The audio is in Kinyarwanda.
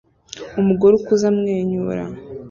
Umugore ukuze amwenyura